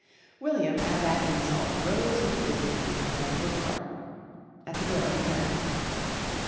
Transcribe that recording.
William at that insult rose with dignity and went to the door. At the door he turned.